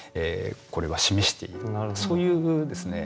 これは示しているそういうですね